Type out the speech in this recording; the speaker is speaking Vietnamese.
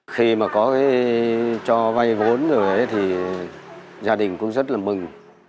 khi mà có cái cho vay vốn rồi ấy thì gia đình cũng rất là mừng